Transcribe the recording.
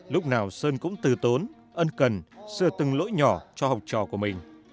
lúc nào sơn cũng từ tốn ân cần sửa từng lỗi nhỏ cho học trò của mình